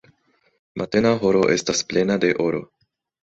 Matena horo estas plena de oro.